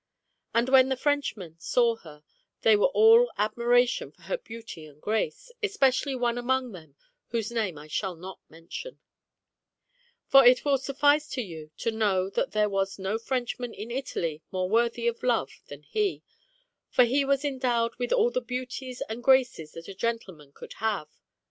And when the Frenchmen saw her, they were all admiration for her beauty and grace, especially one among them whose name I shall not mention ; for it will suffice for you to know that there was no Frenchman in Italy more worthy of love than he, for he was endowed with all the beauties and graces that a gentleman could have.